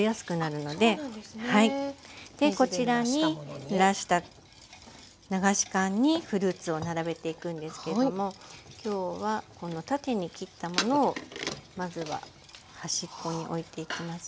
こちらにぬらした流し函にフルーツを並べていくんですけども今日はこの縦に切ったものをまずは端っこにおいていきますね。